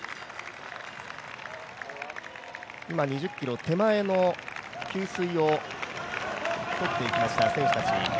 今、２０ｋｍ手前の給水をとっていきました、選手たち。